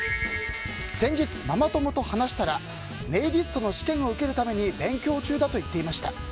先日、ママ友と話したらネイリストの試験を受けるために勉強中だと言っていました。